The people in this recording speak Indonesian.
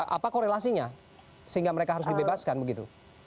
apa korelasinya sehingga mereka harus dibebaskan begitu